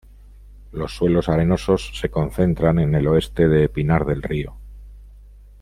Los suelos arenosos se concentran en el oeste de Pinar del Río.